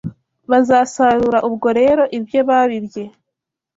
Bazasarura ubwo rero ibyo babibye.